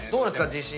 自信。